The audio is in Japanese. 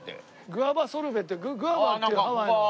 グァバソルベってグァバっていうハワイの。